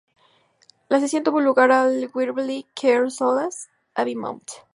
La sesión tuvo lugar al "Waverley Care Solas" Abbey Mount.